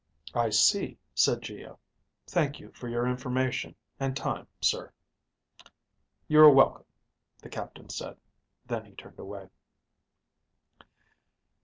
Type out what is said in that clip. "I see," said Geo. "Thank you for your information and time, sir." "You are welcome," the captain said. Then he turned away.